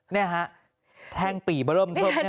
นี่ฮะแท่งปี่เบริ่มเทิบนี่แหละครับ